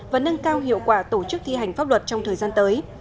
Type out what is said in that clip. và nâng cao hiệu quả tổ chức thi hành pháp luật trong thời gian tới